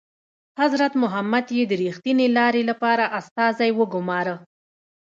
حضرت محمد یې د ریښتینې لارې لپاره استازی وګوماره.